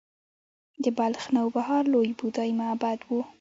د بلخ نوبهار لوی بودايي معبد و